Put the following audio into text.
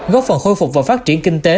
góp phần khôi phục vào phát triển kinh tế